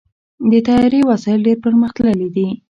د طیارې وسایل ډېر پرمختللي دي.